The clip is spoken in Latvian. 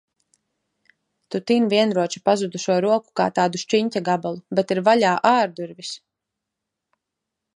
Tu tin Vienroča pazudušo roku kā tādu šķiņķa gabalu, bet ir vaļā ārdurvis!